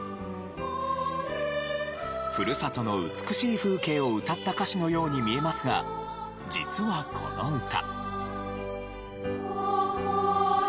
ふるさとの美しい風景を歌った歌詞のように見えますが実はこの歌。